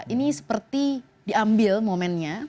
ini seperti diambil momennya